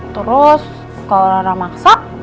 terus kalo rara maksa